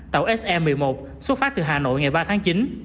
tàu se một mươi một xuất phát từ hà nội ngày ba tháng chín